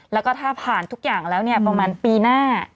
แล้วก็ถ้าผ่านทุกอย่างแล้วเนี่ยประมาณปีหน้า